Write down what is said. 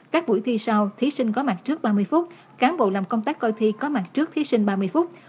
các buổi thi sau thí sinh có mặt trước ba mươi phút